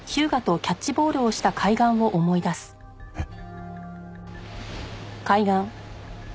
えっ？